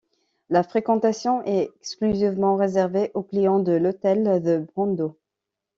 La fréquentation est exclusivement réservée aux clients de l'hôtel The Brando.